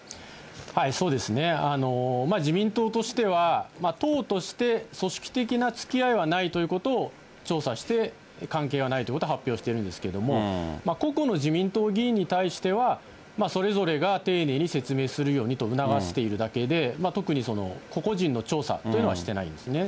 そうですね、自民党としては、党として、組織的なつきあいはないということを調査して、関係はないということは発表してるんですけれども、個々の自民党議員に対しては、それぞれが丁寧に説明するようにと促しているだけで、特に個々人の調査というのは、してないですね。